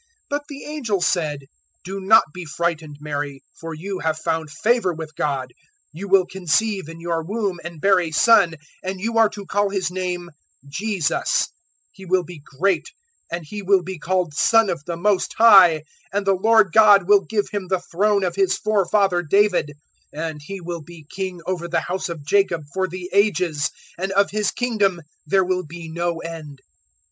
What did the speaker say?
001:030 But the angel said, "Do not be frightened, Mary, for you have found favour with God. 001:031 You will conceive in your womb and bear a son; and you are to call His name JESUS. 001:032 He will be great and He will be called `Son of the Most High.' And the Lord God will give Him the throne of His forefather David; 001:033 and He will be King over the House of Jacob for the Ages, and of His Kingdom there will be no end."